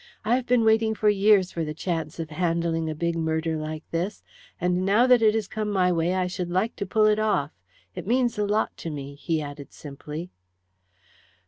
I have been waiting for years for the chance of handling a big murder like this, and now that it has come my way I should like to pull it off. It means a lot to me," he added simply.